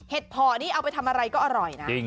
พ่อนี่เอาไปทำอะไรก็อร่อยนะ